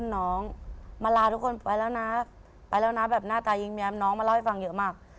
น้องมาลาทุกคนไปแล้วนะไปแล้วนะแบบหน้าตายิ้มแม้มน้องมาเล่าให้ฟังเยอะมาก